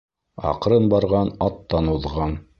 Аҡрын барған аттан уҙған.